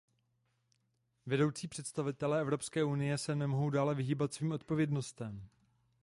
Vedoucí představitelé Evropské unie se nemohou dále vyhýbat svým odpovědnostem.